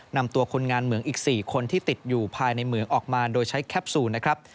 นำตัวคนงานเหมืองอีก๔คนที่ติดอยู่ภายในเหมืองออกมาโดยใช้แคปซูลนะครับ